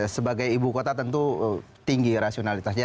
sebagai ibu kota tentu tinggi rasionalitasnya